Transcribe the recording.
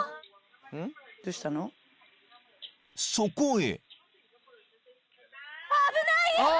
［そこへ］